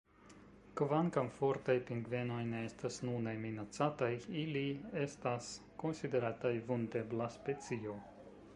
Kvankam Fortaj pingvenoj ne estas nune minacataj, ili estas konsiderataj vundebla specio.